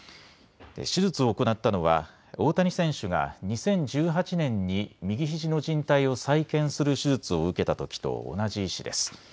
手術を行ったのは大谷選手が２０１８年に右ひじのじん帯を再建する手術を受けたときと同じ医師です。